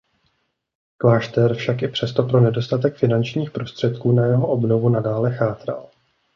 Klášter však i přesto pro nedostatek finančních prostředků na jeho obnovu nadále chátral.